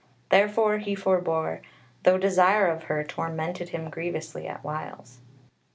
Therefore he forbore, though desire of her tormented him grievously at whiles.